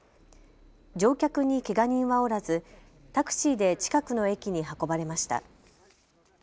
乗客にけが人はおらずタクシーで近くの駅に運ばれました。